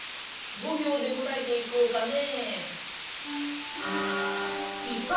５びょうで答えていこうかね。